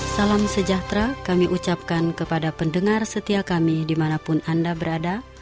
salam sejahtera kami ucapkan kepada pendengar setia kami dimanapun anda berada